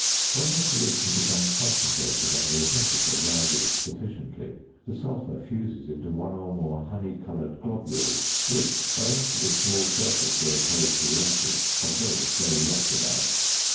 When the solution becomes concentrated and the temperature rises sufficiently, the sulphur fuses into one or more honey coloured globules which, owing to the small surface they oppose to the acid, are very slowly oxidised.